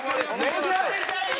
めちゃめちゃいい！